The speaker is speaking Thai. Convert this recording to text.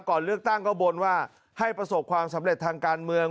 ก่อนเลือกตั้งก็บนว่าให้ประสบความสำเร็จทางการเมือง